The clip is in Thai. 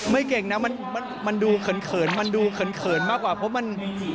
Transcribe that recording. ไม่เก่งนะมันดูเขินเขินมันดูเขินเขินมากกว่าเพราะมัน